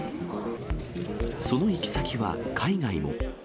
その行き先は海外も。